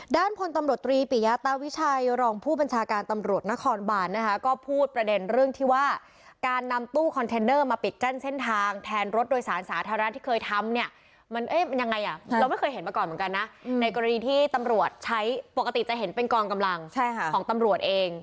พลตำรวจตรีปิยาตาวิชัยรองผู้บัญชาการตำรวจนครบานนะคะก็พูดประเด็นเรื่องที่ว่าการนำตู้คอนเทนเนอร์มาปิดกั้นเส้นทางแทนรถโดยสารสาธารณะที่เคยทำเนี่ยมันยังไงอ่ะเราไม่เคยเห็นมาก่อนเหมือนกันนะในกรณีที่ตำรวจใช้ปกติจะเห็นเป็นกองกำลังของตำรวจเอง